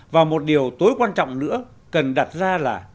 và một điều tối quan trọng nữa cần đặt ra là